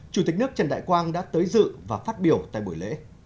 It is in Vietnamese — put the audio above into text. chủ tịch nước trần đại quang đã tới dự và phát biểu tại buổi lễ